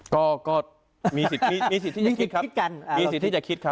ก็มีสิทธิ์ที่จะคิดกัน